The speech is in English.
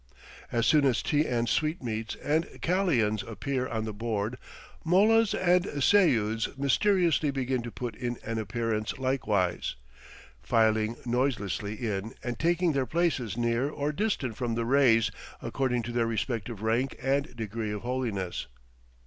As soon as tea and sweetmeats and kalians appear on the board, mollahs and seyuds mysteriously begin to put in an appearance likewise, filing noiselessly in and taking their places near or distant from the Reis, according to their respective rank and degree of holiness.